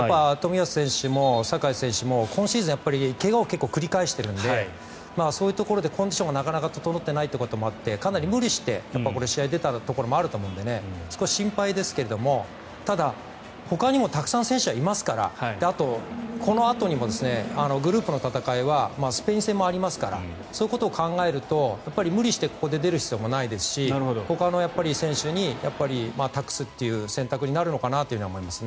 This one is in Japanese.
冨安選手も酒井選手も今シーズン怪我を繰り返しているのでそういうところでコンディションがなかなか整っていないということもあってかなり無理して試合に出たところもあると思うので少し心配ですがただ、ほかにもたくさん選手はいますからあと、このあとにもグループの戦いはスペイン戦もありますからそういうことを考えると無理してここで出る必要もないですしほかの選手に託すという選択になるのかなと思います。